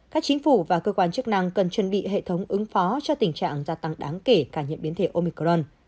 các chính phủ và cơ quan chức năng cần chuẩn bị hệ thống ứng phó cho tình trạng gia tăng đáng kể cả những biến thể omicron